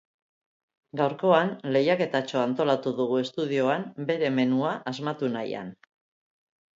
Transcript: Gaurkoan lehiaketatxoa antolatu dugu estudioan bere menua asmatu nahian.